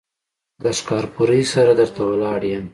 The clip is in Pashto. د ښکارپورۍ سره در ته ولاړ يم.